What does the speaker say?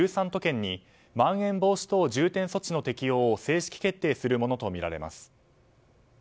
都県にまん延防止等重点措置の適用を正式決定するものとみられます。